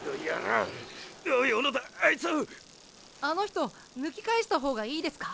あの人抜き返した方がいいですか？